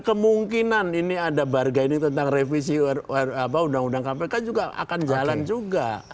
kemungkinan ini ada bargaining tentang revisi undang undang kpk juga akan jalan juga